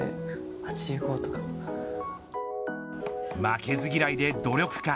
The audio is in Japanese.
負けず嫌いで努力家。